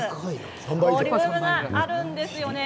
ボリュームがあるんですよね。